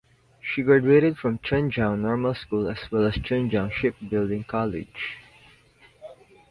She graduated from Zhenjiang Normal School as well as Zhenjiang Shipbuilding College.